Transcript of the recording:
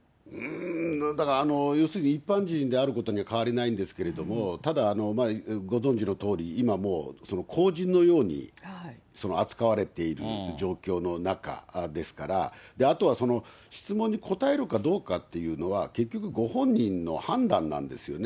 だから、一般人であることに変わりないんですけれども、ただ、ご存じのとおり、今も公人のように扱われている状況の中ですから、あとは質問に答えるかどうかというのは、結局、ご本人の判断なんですよね。